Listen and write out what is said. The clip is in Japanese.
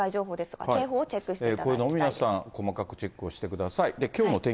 こういうのを皆さん、細かくチェックしてください。